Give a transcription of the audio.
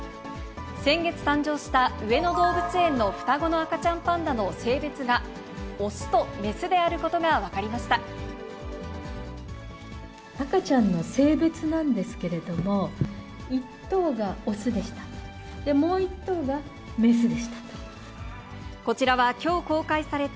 先月誕生した上野動物園の双子の赤ちゃんパンダの性別が、雄と雌赤ちゃんの性別なんですけれども、１頭が雄でした。